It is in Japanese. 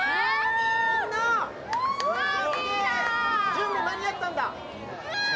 準備間に合ったんだうわっ！